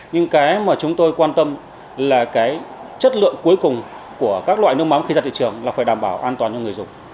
nhưng cái mà chúng tôi quan tâm là cái chất lượng cuối cùng của các loại nước mắm khi ra thị trường là phải đảm bảo an toàn cho người dùng